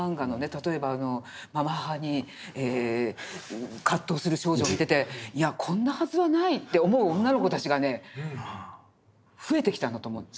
例えばまま母に葛藤する少女を見てていやこんなはずはないって思う女の子たちがね増えてきたんだと思うんです。